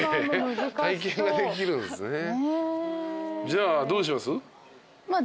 じゃあどうします？